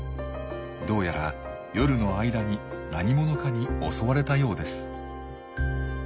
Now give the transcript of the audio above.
どうやら夜の間に何者かに襲われたようです。